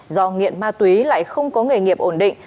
do nghiện ma túy lại không có nghề nghiệp ổn định